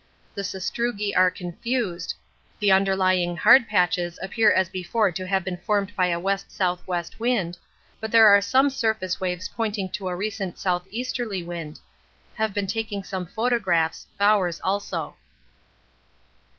The sastrugi are confused, the underlying hard patches appear as before to have been formed by a W.S.W. wind, but there are some surface waves pointing to a recent south easterly wind. Have been taking some photographs, Bowers also.